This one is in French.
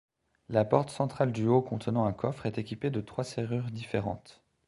La porte centrale du haut contenant un coffre est équipée de trois serrures différentes.